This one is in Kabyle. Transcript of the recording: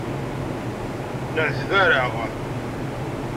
Nεetbareɣ.